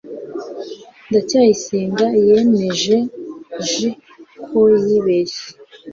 ndacyayisenga yemeje j ko yibeshye